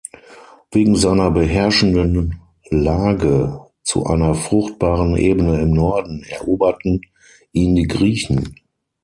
Wegen seiner beherrschenden Lage zu einer fruchtbaren Ebene im Norden eroberten ihn die Griechen.